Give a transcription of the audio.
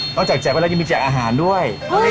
จากแจกไปแล้วยังมีแจกอาหารด้วย